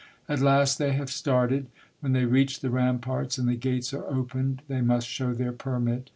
At last they have started. When they reach the ramparts, and the gates are opened, they must show their permit.